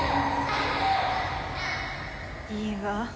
いいわ。